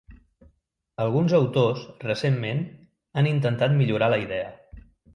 Alguns autors, recentment, han intentat millorar la idea.